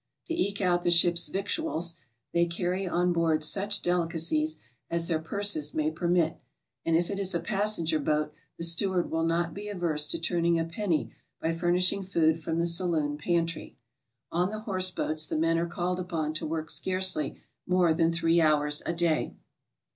To eke out the ship's victuals, they carry on board such delicacies as their purses may per mit, and if it is a passenger boat the steward will not be averse to turning a penny by furnishing food from the sa loon pantry. On the horse boats the men are called upon to work scarcely more than three hours a day.